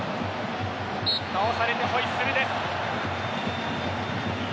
倒されてホイッスルです。